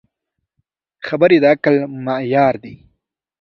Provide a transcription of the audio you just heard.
خبرې د عقل معیار دي.